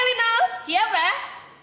oke rinaus siap ah